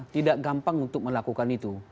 tidak gampang untuk melakukan itu